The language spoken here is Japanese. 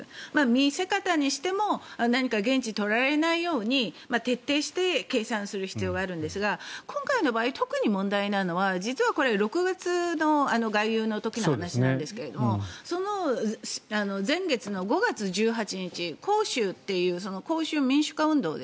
見せ方にしても何か言質を取られないように徹底して計算する必要があるんですが今回の場合、特に問題なのは６月の外遊の時の話ですがその前月の５月１８日光州民主化運動